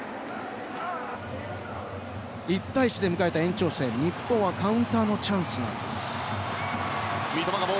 １対１で迎えた延長戦日本はカウンターのチャンスなんです。